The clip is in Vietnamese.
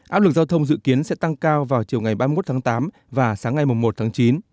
áp lực giao thông dự kiến sẽ tăng cao vào chiều ngày ba mươi một tháng tám và sáng ngày một tháng chín